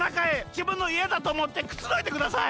じぶんのいえだとおもってくつろいでください！